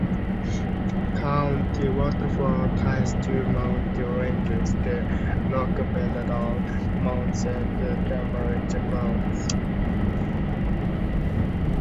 County Waterford has two mountain ranges, the Knockmealdown Mountains and the Comeragh Mountains.